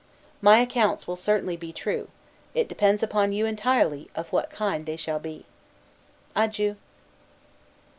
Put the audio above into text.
My accounts will certainly be true; it depends upon you, entirely, of what kind they shall be. Adieu.